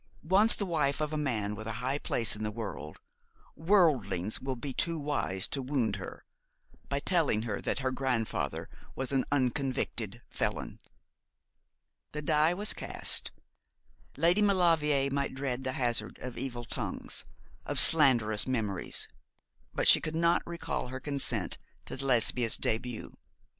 Once the wife of a man with a high place in the world, worldlings will be too wise to wound her by telling her that her grandfather was an unconvicted felon.' The die was cast. Lady Maulevrier might dread the hazard of evil tongues, of slanderous memories; but she could not recall her consent to Lesbia's début.